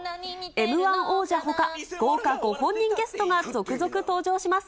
Ｍー１王者ほか、豪華ご本人ゲストが続々登場します。